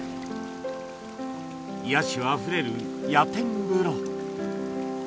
野趣あふれる野天風呂